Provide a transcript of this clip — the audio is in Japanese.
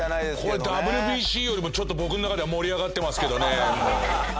これＷＢＣよりもちょっと僕の中では盛り上がってますけどね。